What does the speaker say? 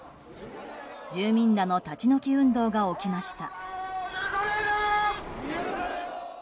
住民らの立ち退き運動が起きました。